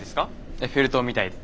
エッフェル塔みたいで。